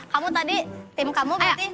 kamu tadi tim kamu